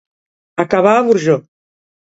Acabar a Burjó.